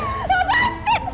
saya harap anda tenang